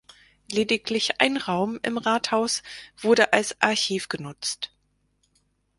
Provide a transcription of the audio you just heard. Lediglich ein Raum im Rathaus wurde als Archiv genutzt.